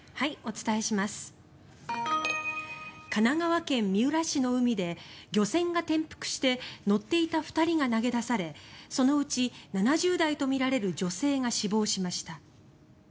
神奈川県三浦市の海で漁船が転覆して乗っていた２人が投げ出されそのうち７０代とみられる女性が死亡しました。